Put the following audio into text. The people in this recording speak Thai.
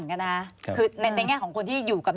ควิทยาลัยเชียร์สวัสดีครับ